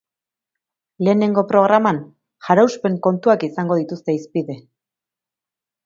Lehenengo programan jaraunspen kontuak izango dituzte hizpide.